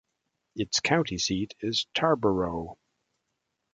Its county seat is Tarboro.